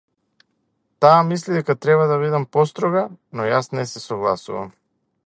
Таа мисли дека треба да бидам построга, но јас не се согласувам.